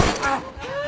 あっ。